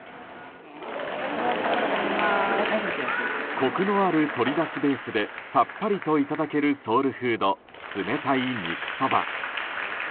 コクのある鶏だしベースでさっぱりといただけるソウルフード、冷たい肉そば。